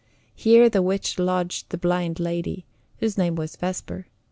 Here the witch lodged the blind lady, whose name was Vesper.